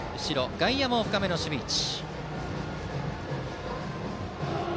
外野も深めの守備位置。